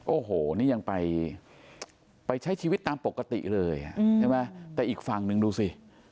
โอ้โหนี่ยังไปใช้ชีวิตตามปกติเลยใช่ไหมแต่อีกฝั่งหนึ่งดูสิ